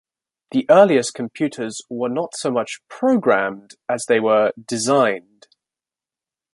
The earliest computers were not so much "programmed" as they were "designed".